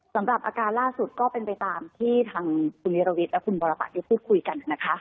สำหรับอาการล่าสุดก็เป็นไปตามที่ทางคุณนิรวิทย์และคุณบรบัตรได้พูดคุยกันนะคะ